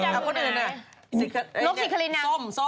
นกศิษย์ครินทร์อยู่